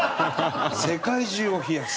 世界中を冷やす？